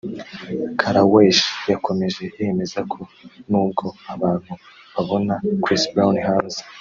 Karrueche yakomeje yemeza ko nubwo abantu babona Chris Brown hanze